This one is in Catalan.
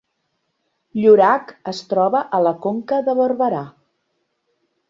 Llorac es troba a la Conca de Barberà